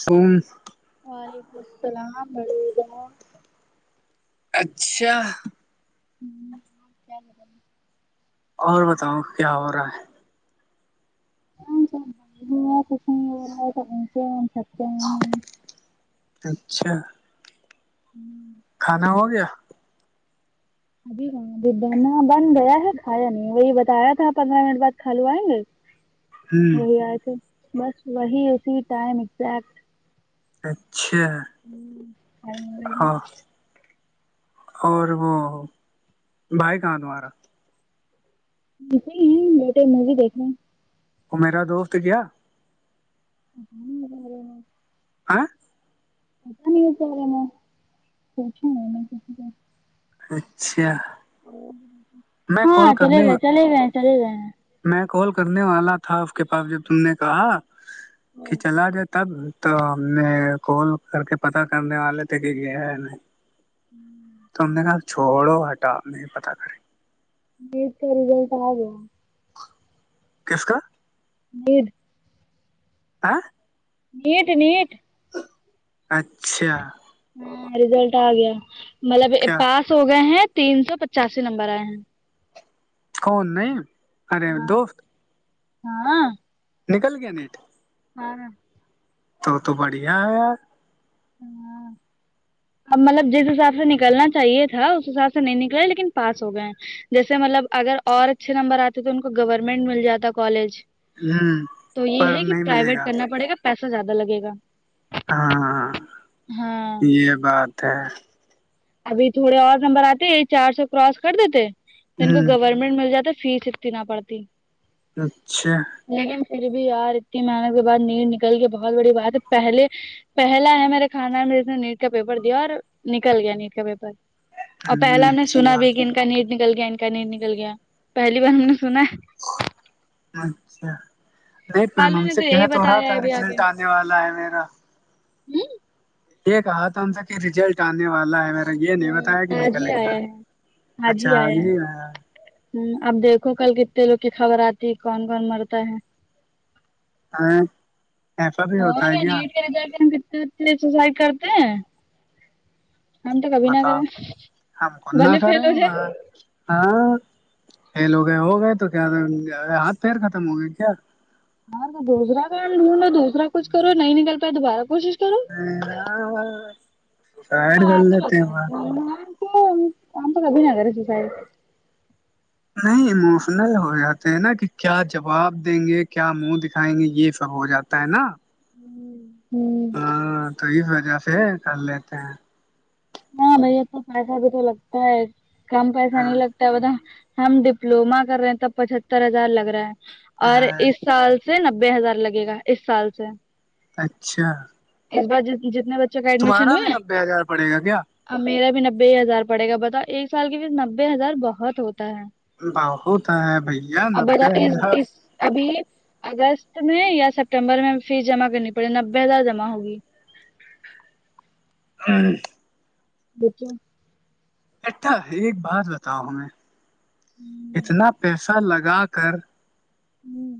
سوم وعلیکم السلامڑ اچھا کیا اور بتاؤ کیا ہو رہا ہے ہ س کشن سک ہیں اچھا ہوں کھانا ہو گیا ابھی ہاں اب بانا بن گیا ہے کھایا نہیں وہی بتایا تھا پندرہ منٹ بعد کھ لو آئیں گے ہوں وہی آئے تھے بس وہی اسی ٹائم ازیکٹ اچھا ہاں اور وہ بھائی کہاں تمہارا ے ہیں بیٹے موی دیکھ رہے ہیں وہ میرا دوست کیا [inaudible] ہاں پتا نہیں کیا کر رہے اچھا میں ہاں کال چلے کرنے گئے چلے گئے چلے گئے ہیں میں کال کرنے والا تھا اس کے پاس جب تم نے کہا کہ چلا جات تب تو ہم نے کال کر کے پتہ کرنے والے تھے کہ کیا ہے نہیں تم نے کہ چھوڑو ہٹا نہیں پتا کریں نیٹ کا رزلٹ آگیا کس کا [unintelligible] آ ہ نیٹ نیٹ اچھا ہاں ریزلٹ آ گیا مطلب کیا پاس ہو گئے ہیں تین سو پچاسی نمبر آئے ہیں کون نہیں ارے ہاں دوست ہاں نکل گیا نیٹ ہاں تو تو بڑھیا ہے یار ہاں [inaudible] اب مطلب جس حساب سے نکلنا چاہیے تھا اس حساب سے نہیں نکلے لیکن پاس ہو گئے ہیں جیسے مطلب اگر اور اچھے نمبر آتے تو ان کو گورمینٹ مل جاتا کالج ہوں تو یہ پر ہے کہ نہیں ملے پرائیویٹ گا کرنا پڑے گا پیسہ زیادہ لگے گا ہاں ہاں یہ بات ہے ابھی تھوڑے اور نمبر آتے یہ چار سو کراس کر دیتے تو ان کو ہ گورمنٹ گورمنٹ مل جاتا فیس اتنی نہ پڑتی اچھا لیکن پھر بھی یار اتنی محنت کے بعد نیٹ نکل کے بہت بڑی بات ہے پہلے پہلا ہے میرے خاندان میں نے نیٹ کا پیپر دیا اور نکل گیا نیٹ کا پیپر اور پہلا ہم نے اچھی سنا بھی بات کہ ہے ان کا نیٹ نکل گیا ان کا نیٹ نکل گیا پہلی بار ہم نے سنا اچھا نہیں میم خالو ہم نے سے یہی تو رہا بتایا تھا ہے ابھی رزلٹ آنے دیوالا ہے میرا جی یہ کہا تھا ہم سب کہ ریزلٹ آنے والا ہے میرا یہ نہیں بتایا کہ آج نکل ہی آیا گیا یہ ہے اچھا نہیں آیا ہوں اب دیکھو کل کتنے لوگ کی خبر آتی ہے کون کون مرتا ہے ا ایسا بھی ہوتا ہے کیا کیا کہتے ہیں کتنے بچے سوسائی کرتے ہیں ہم تو کبھی نہ کر بتاؤ یں ہم کو نہ بھلے کریں فیل ہو جائے ہاں فیل ہو گئے ہو گئے تو کیا ہاتھ پیر ختم ہو گئے کیا اورتو دوسرا کام ڈھونڈھو دوسرا کچھ کرو نہیں نکل پائے دوبارہ کوشش [inaudible] سائڈ کر لیتے ہیں بات تو ہم کبھی نہ کر یں سوسائڈ نہیں ایموشنل ہو جاتے ہیں نا کہ کیا جواب دیں گے کیا منہ دکھائیں گے یہ سب ہو جاتا ہوتا ہے نا ہوں ہاں تو اس وجہ سے کر لیتے ہیں ہاں بھیا تو پیسہ بھی تو لگتا ہے کم پیسہ ہاں نہیں لگتا ہم ڈپلوما کر رہے ہیں توب پچتر ہزار لگ رہا ہے اور اس سال سے نبے ہزار لگے گا اس سال سے اچھا جتنے بچے تمہارا بھی نبے ہزار پڑے گا کیا ا میرا بھی نبے ہزار پڑے گا بتاؤ ایک سال کے بیچ نبے ہزار بہت ہوتا ہے بہت ہے بھیا اب بتا نبے اس ہزار اس ابھی اگست میں یا سپٹمبر میں فیس جمع کرنی پڑے نبے ہزار جمع ہوگی ہاں دچو اٹھا ایک بات بتاؤ ہمیں اتنا پیسہ لگا کر ہوں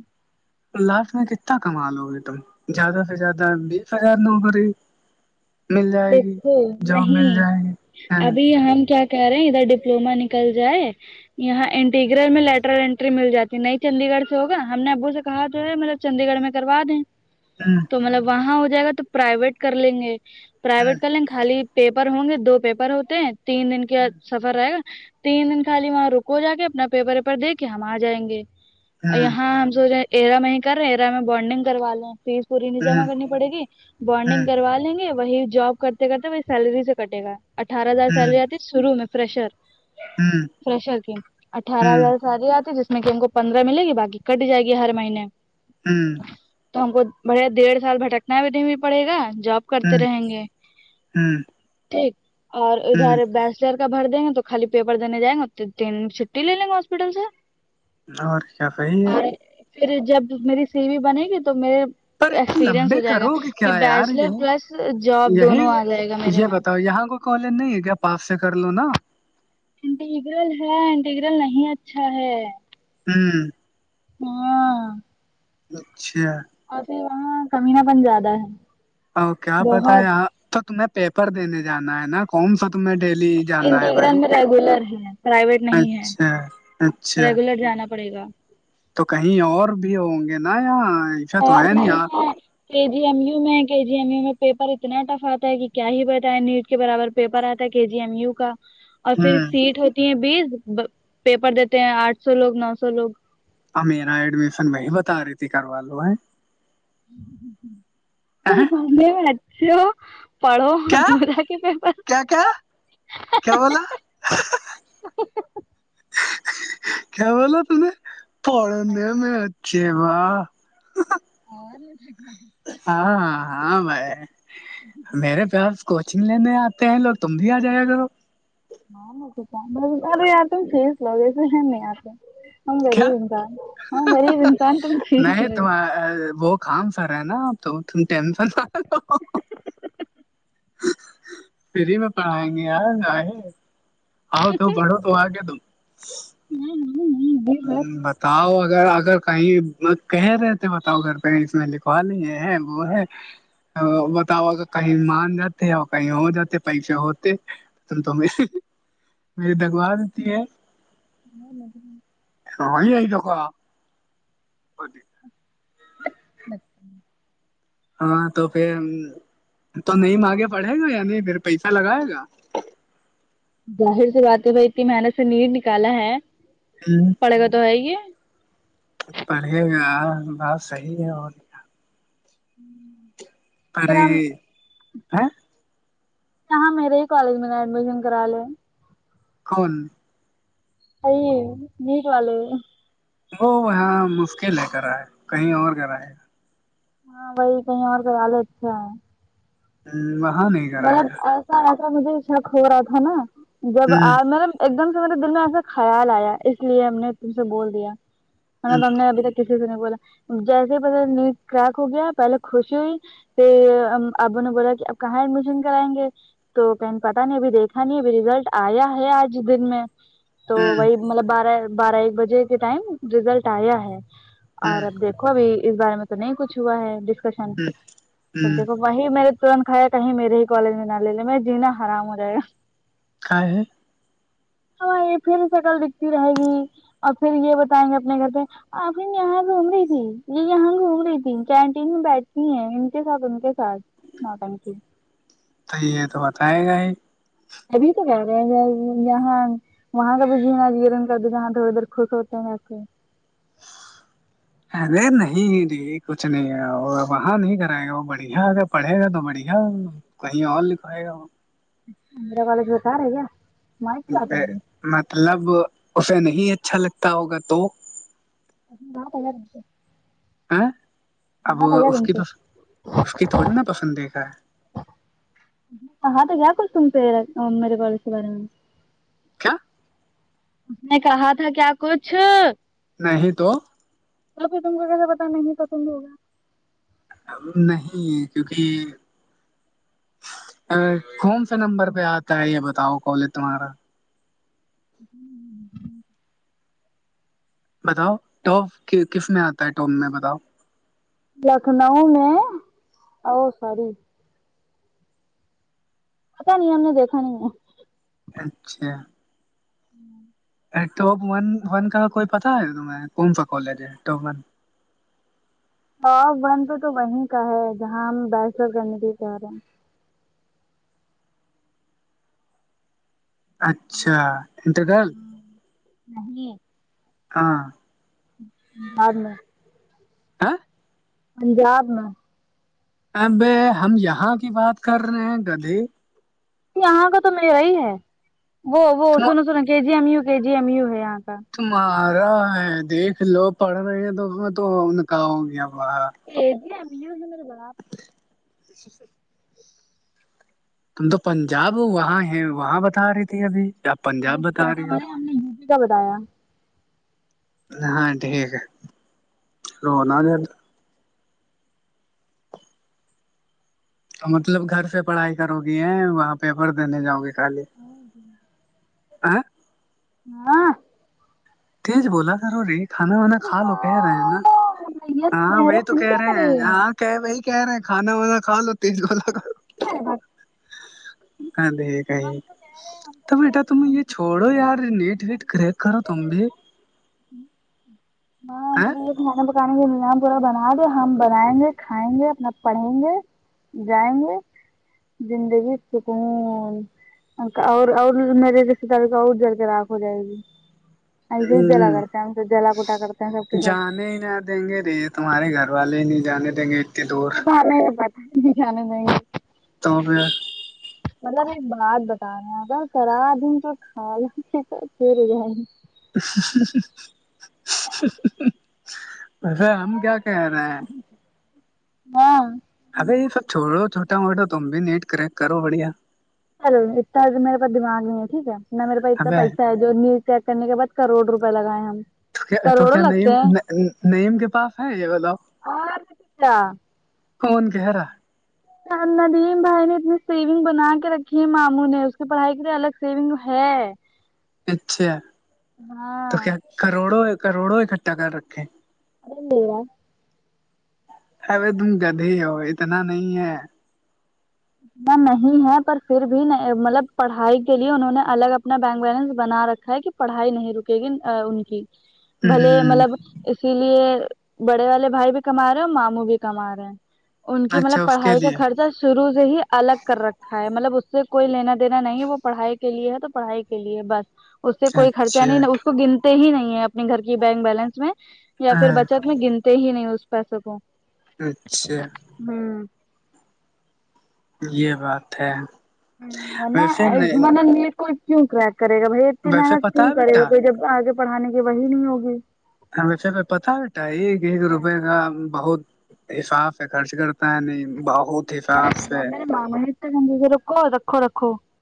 لاسٹ میں کتنا کما لو گے تم زیادہ سے زیادہ بیس ہزار نوکری مل جائے گی دیکھو جاب مل نہیں جائے گی ہاں ابھی ہم کیا کہہ رہے ہیں یہھر ڈپلووما نکل جائے یہاں انٹیگرریل میں لیٹر انٹری مل جاتی نہیں چنندی گڑھ سے ہوگا ہم نے ابو سے کہا جو ہے مطلب چنندی گڑھ میں کروا دیں ہوں تو مطلب وہاں ہو جائے گا تو پرائیویٹ کر لیں گے ہوں پرائیویٹ کر لیں گے خالی پیپر ہوں گے دو پیپر ہوتے ہیں تین دن کا سفر رہے گا تین دن خالی وہاں رکو جا کے اپنا پیپر ویپر دے کے ہم آ جائیں گے اور ہوں یہاں ہم سوچ رہے میں کر رہے ہیں ایرا میں بانڈنگ کروا لیں فیس پوری نہیں جمع ہوں کرنی پڑے گی ہوں ہوں ہوں بڈنگ کروا لیں گے وہی جاب کرتے کرتے وہی سیلری سے کٹے گا اٹھارہ ہزار سیلری آتی ہے شرو میں فریشر ہوں فریشر کی اٹھارہ ہزار ساری آتی جس نہیں ان کو پندرہ مل گی باقی کٹ جائے گی ہر مہینے ہوں تو ہم کو بڑے ڈڑھ سال بھٹکنا بھی دین پڑے گا جاب کرتے ہوں رہیں گے ہوں ٹھیک اور ہوں ادھر بس شیر کا بھر دیں گے تو خالی پیپر دینے جائیں گے تو تین چھٹی لے لیں گےاسپٹل سے اور کیا بائی ہے اور پھر جب میری سیوی بنے گی تو میر پر اتنے ایکسپیرنس لمبے ہو جائے گا کرو گے کیا کہ یار بیچلر یہی پلس جاب یہی دونوں آ جائے گا میرے یہ میں بتاؤ یہاں کو کالج نہیں ہے کیا پاپ سے کر لو نا انٹیگرل ہے انٹیگرل نہیں اچھا ہے ہوں ہاں اچھا اور پھر وہاں کمینہ بن زیادہ ہے اوک پت ہے بہت یاں تو تمہیں پیپر دینے جانا ہے نا کون سا تمہیں ڈیلی جانا ہے بھائی انٹیگرام میں ریگولر ہے پرائیویٹ نہیں اچھا ہے اچھا ریگولر جانا پڑے گا تو کہیں اور بھی ہوں گے نا یہاں ایسا تو اور ہے نہیں آپ ہے کے جی ایم یو میں کے جی ایم یو میں پیپر اتنا ٹف آتا ہے کہ کیا ہی بتائےیں نیو کے برابر پیپر آتا ہے کے جی ایم یو کا اور پھر ہوں سیٹ ہوتی ہیں بیس پیپر دیتے ہیں آٹھ سو لوگ نو سو لوگ آ میرا ایڈمیشن وہی بتا رہی تھی کروا لو ہے اہے، ب م پڑھو کیا د تھاا کے پیپر کیا کیا کیا بولا کیا بولو نے پڑے نمچ اور ہاں ہاں ہاں بھائی میرے کوچنگ لینے آتے ہیں لوگ تم بھی آ جائے گا اںار آتے لوگ ایسے نہیں آتے ہم کیا غریب ہاں غریب انسان تو فھیک نہیں گی تم وہ کام سرا ہے نا تو تم ٹیمپل فری میں پڑھائیں گے آ آ آؤ تو پڑھو تو آگے تو ہ ہ ہ بات بتاؤ اگر اگر کہیں کہ رہے تھ بتاؤ گھر پ اس میں لکھوا لیے وہ ہے بتاؤ کہ کہیں مان جاتے اور کہیں ہو جاتے پیسے ہوتے تم تو میری دگوا دیتی ہے نہیں یہئی توک [unintelligible] ہاں تو پھر تو نہیں آگے پڑھے گا یا نہیں پھر پیسہ لگائے گا ظاہر سی بات ہے بھائی اتنی محنت سے نیر نکالا ہے ہوں پڑے تو ہے گی پڑھھیے گا بات صحیح ہے اور ہوں پرے کہاں میرے ہی کالج میں نا ایڈمیشن کرا لے ان ائی نیک والے وہ وہاں مشکل ہے کرا ہے کہیں اور کر ہے ہاں وہی کہیں اور کئی آالے اچھے ہیں وہاں نہیں کرائے مطلب گا ایسا ایسا مجھےا ہو رہا تھا نا جب ہوں مطلب ایک دم سے مطلب دل میں ایسا خیال آیا اس لیے ہم نے تم سے بول دیا مطلب ہم نے ابھی تک کسی سے نہیں بولا جیسے پس نیند کریک ہو گیا پہلے خوشی ہوئی آبو نے بولا کہ اب کہاں ہے مجھ کرائیں گے تو کہ پتا نہیں ابھی دیکھا نہیں ابھی رزلٹ آیا ہے آج دن میں تو ہ ہ وہی مطلب بارہ بارہ ایک بجے کے ٹائم رزلٹ آیا ہے اور ہوں اب دیکھ دیکوب اس بارے میں تو نہیں کچھ ہوا ہے ڈسکشن ہ سب ہ دیکھو وہیں میر نے ترنت کھیا کہیں میرے ہی کالج میں نہ لے لیں میں جینا آرام ہو جائے گا ک ہے ہاں یہ پھر شکل دکھتی رہے گی اور پھر یہ بتائیں گے اپنے گھر پہ آپن یہاں گھوم رہی تھی یہ یہاں گھوم رہی تھی کینٹین میں بیٹھتی ہیں ان کے ساتھ ان کے ساتھ ہاں تھینکو تو یہ تو بتائے گا ہی ابھی تو کر رہے ہیں یہاں وہاں کا بھی جین جیر ان کا د جہاں دھر ادھر خوش ہوتے ہیں ویسے ارے نہیںی کچھ نہیں ہے وہاں نہیں کرائے گا وہ بڑھیا اگر پڑھے گا تو بڑھیا کہیں اور لکھوائے گا اندر والالج بسار ہے گیا مطلب اسے نہیں اچھا لگتا ہوگا تو ا پہے ا اب کیا اس تم کی سے پس اس کی تھوڑی نا پسند د گا ہے ہاں تو کیا کر سم پہا میرے کالج کے بارے میں کیا [unintelligible] [inaudible] اس نے کہا تھا کیا کچھ نہیں تو توب پھر تم کو کیسے پتا نہیں تو تم ہوا نہیں ہے کیونکہ کون سےا نمبر پہ آتا ہے یہ بتاؤ کالج تمہارا ہ [unintelligible] [inaudible] بتاؤ ٹاپ کس میں آتا ہے ٹاپ میں بتاؤ لکھنؤ میں او ساری پتا نہیں ہم نے دیکھا نہیں ہے اچھا ہوں ا ٹاپ ون ون کا کوئی پتاہ ہے تمہیں کون سا کالج ہے ٹاپ ون ہاں بن تو تو وہیں کا ہے جہاں ہم بیسلر کرنے کے لیے چاہ رہے ہیں اچھا انٹر گل نہیں ہاں آ ن [unintelligible] [inaudible] ہ [unintelligible] [inaudible] پنجاب ن ابے ہم یہاں کی بات کر رہے ہیں گدھی یہاں کا تو میرا ہی ہے وہ وہ تم سنو سنو K G M U K G M U ہے یہاں کا تمہارا ہے دیکھ لو پڑھ رہے ہیں تو تو ان کا ہو گیا باہ جیمی ہو میرے بڑاپ [inaudible] تم تو پنجاب وہاں ہے وہاں بتا رہی تھی ابھی آپ ا پنجاب چٹا بتا رہی ہو ہمے ہم نے یو پی کا بتایا ہاں ٹھیک ہے رونا جد مطلب گھر سے پڑھائی کرو گی ہے وہاں پیپر دینے جاؤ گی خالی اور جی آ [unintelligible] [inaudible] ہاں تج بولا سرو ری کھانا وانا کھا لو کہہ رہے ہیں نا بھیا تم ہاں وہی بحران ہم کیا کرے تو ہم کہہ رہے ہیں آ ہم کہ وہی کہہ رہے ہیں کھانا وانا کھا لو تیز گ ارے با [inaudible] تو کہہ رہے ہیں ہم کو تو بیٹا تم یہ چھوڑو یار نیٹ وٹ کریک کرو تم بھی وہیں [inaudible] [inaudible] کھانا پکانے کا انتظام پورا بنا دو ہم بنائیں گے کھائیں گے اپنا پڑیں گے جائیں گے زندگی سکون اور اور میرے رشتے داریوں کا اور جل کے راکھ ہو جائے گی ایسے ہی جلا کرتے ہیں ہم سب جلا کوٹا کرتے ہیں سب کے سب [inaudible] دیں گے ری یہ تمہارے گھر والے نہیں جانے دیں گے اتنی دور [inaudible] تو [inaudible] مطلب ایک بات بتا رہے اگر کرا دن تو کھا جا پھر جائے گی ارے ہم کیا کہہ رہے ہیں ہاں ابہی یہ سب چھوڑو چھوٹا موٹا تم بھی نیٹ کریک کرو بڑھیا چلو اتنا تو میرے پاس دماغ نہیں ہے ٹھیک ہے نہ میرے پاس اتنا ابے پیسا ہے نیوز چیکنے کے بعد کروڑ روپئے لگائے ہم تو کروڑوں کیا نیم لگتے ہیں نیم کے پاس ہے یہ وہ لوگ اور کیا کون کہہ رہا ندیم بھائی نے اتنی سیونگ بنا کے رکھی ہے ماموں نے اس کی پڑھائی کے لیے الگ سیونگ ہے اچھا تو ہاں کیا کروڑوں کروڑوں اکٹھا کر رکھے [inaudible] اب تم گدے ہی ہو اتنا نہیں ہے اتنا [inaudible] نہیں ہے پر پھر بھی مطلب پڑھائی کے لیے انہوں نے الگ اپنا بینک بیلنس بنا رکھا ہے کہ پڑھائی نہیں رکے گی ان کی بھلے ہ مطلب اسی لیے بڑے والے بھائی بھی کما رہے ہیں اور ماموں بھی کما رہے ہیں ان کی مطلب اچھا اس کے پڑھائی کا لیے خرچہ شروع سے ہی الگ کر رکھا ہے مطلب اس سے کوئی لینا دینا نہیں وہ پڑھائی کے لیے ہے تو پڑھائی کے لیے بس اس سے کوئی خرچہ اچھا نہیں اس کو گنتے ہی نہیں ہے اپنے گھر کی بینک بیلنس میں یا پھر ہاں بچت میں گنتے ہی نہیں اس پیسے کو اچھا ہوں یہ بات ہے ورنہ ویسے نہیں کوئی کیوں کریک کرے گا بھائی اتنی ویسے محنت پتا کیوں ہے کرے گا بیٹا کوئی جب آگے پڑھانے کی وہی نہیں ہوگی ہمیں پھر پتا ہے ایک ایک روپے کا بہت حساب سے خرچ کرتا ہے نہیں بہت حساب سے ہاں نت گنگ کے رکھو رکھو رکھو